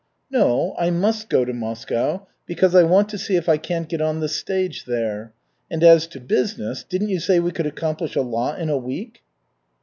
"No, I must go to Moscow because I want to see if I can't get on the stage there. And as to business, didn't you say we could accomplish a lot in a week?"